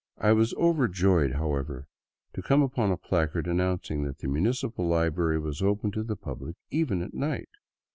I was overjoyed, however, to come upon a placard announcing that the municipal library was open to the public even at night!